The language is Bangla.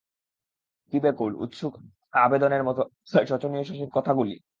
কী ব্যাকুল, উৎসুক আবেদনের মতো শোচনীয় শশীর কথাগুলি।